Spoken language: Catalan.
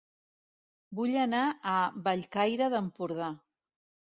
Vull anar a Bellcaire d'Empordà